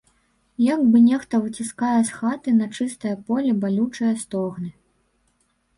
Як бы нехта выціскае з хаты на чыстае поле балючыя стогны.